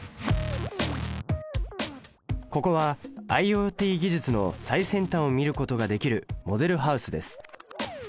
ここはＩｏＴ技術の最先端を見ることができるモデルハウスです